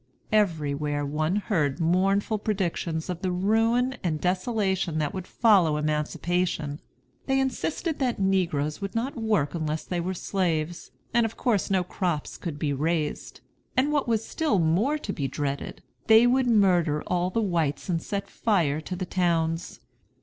Everywhere one heard mournful predictions of the ruin and desolation that would follow emancipation. They insisted that negroes would not work unless they were slaves, and of course no crops could be raised; and what was still more to be dreaded, they would murder all the whites and set fire to the towns.